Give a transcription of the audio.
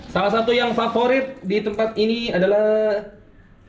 salah satu yang favorit di tempat ini adalah